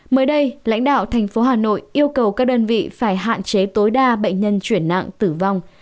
mới đây lãnh đạo thành phố hà nội yêu cầu các đơn vị phải hạn chế tối đa bệnh nhân chuyển nặng tử vong